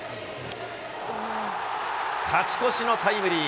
勝ち越しのタイムリー。